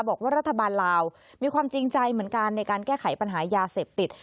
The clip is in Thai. บอกว่ารัฐบาลลาวมีความจริงใจเหมือนกันในการแก้ไขปัญหายาเสพติด